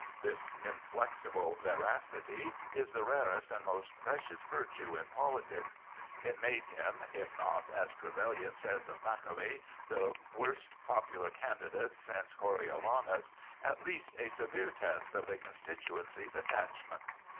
This inflexible veracity is the rarest and the most precious virtue in politics. It made him, if not, as Trevelyan says of Macaulay, " the worst popular candidate since Coriolanus," at least a severe test of a constituency's attachment.